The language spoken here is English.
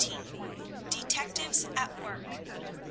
DETECTIVES AT WORK.